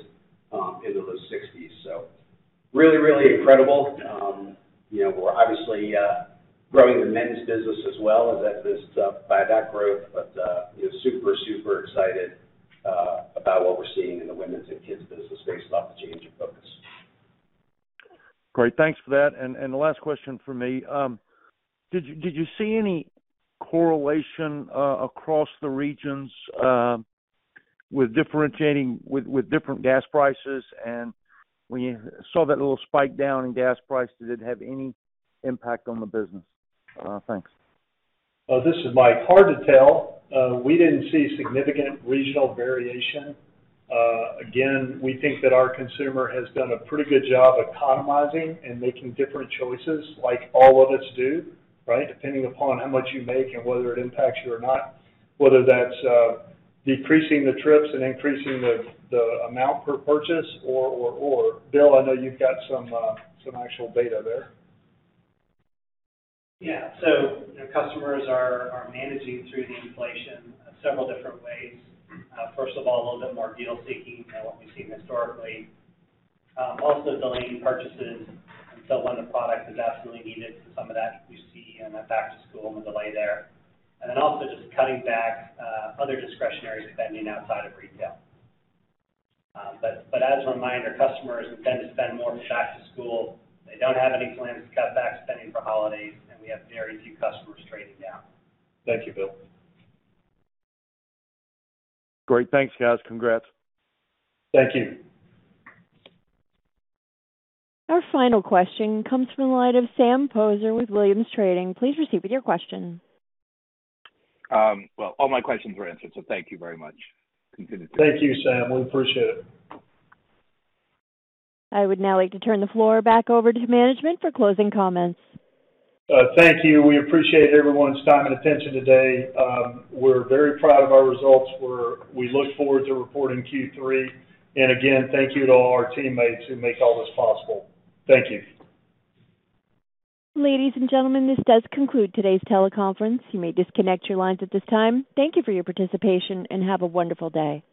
S4: in the low 60s%. Really, really incredible. You know, we're obviously growing the men's business as well, but super excited about what we're seeing in the women's and kids' business based off the change in focus.
S13: Great. Thanks for that. The last question from me. Did you see any correlation across the regions with differentiating with different gas prices? When you saw that little spike down in gas price, did it have any impact on the business? Thanks.
S3: This is Mike. Hard to tell. We didn't see significant regional variation. Again, we think that our consumer has done a pretty good job economizing and making different choices like all of us do, right? Depending upon how much you make and whether it impacts you or not, whether that's decreasing the trips and increasing the amount per purchase. Bill, I know you've got some actual data there.
S6: Yeah. Customers are managing through the inflation several different ways. First of all, a little bit more deal seeking than what we've seen historically. Also delaying purchases until when the product is absolutely needed. Some of that we see in the back to school and the delay there. Then also just cutting back, other discretionary spending outside of retail. As a reminder, customers intend to spend more for back to school. They don't have any plans to cut back spending for holidays, and we have very few customers trading down.
S3: Thank you, Bill.
S13: Great. Thanks, guys. Congrats.
S3: Thank you.
S1: Our final question comes from the line of Sam Poser with Williams Trading. Please proceed with your question.
S7: Well, all my questions were answered, so thank you very much.
S3: Thank you, Sam. We appreciate it.
S1: I would now like to turn the floor back over to management for closing comments.
S3: Thank you. We appreciate everyone's time and attention today. We're very proud of our results. We look forward to reporting Q3. Again, thank you to all our teammates who make all this possible. Thank you.
S1: Ladies and gentlemen, this does conclude today's teleconference. You may disconnect your lines at this time. Thank you for your participation, and have a wonderful day.